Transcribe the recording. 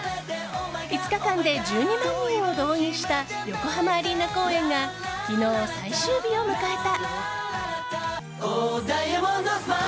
５日間で１２万人を動員した横浜アリーナ公演が昨日、最終日を迎えた。